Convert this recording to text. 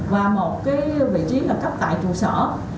và một vị trí là cấp tại trụ sở